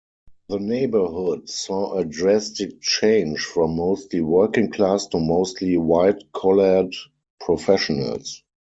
The neighborhood saw a drastic change from mostly working-class to mostly white-collared professionals.